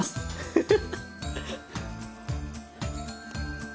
フフフッ。